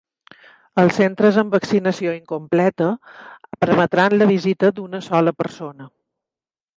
Els centres amb vaccinació incompleta permetran la visita d’una sola persona.